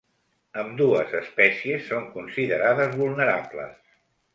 Ambdues espècies són considerades vulnerables.